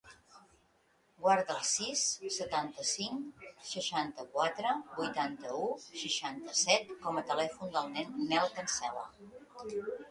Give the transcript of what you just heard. Guarda el sis, setanta-cinc, seixanta-quatre, vuitanta-u, seixanta-set com a telèfon del Nel Cancela.